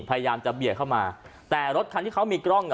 พยายามจะเบียดเข้ามาแต่รถคันที่เขามีกล้องอ่ะ